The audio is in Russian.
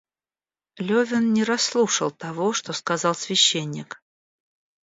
Левин не расслушал того, что сказал священник.